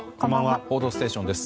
「報道ステーション」です。